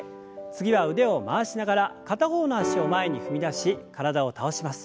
次は腕を回しながら片方の脚を前に踏み出し体を倒します。